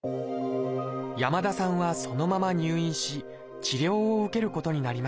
山田さんはそのまま入院し治療を受けることになりました。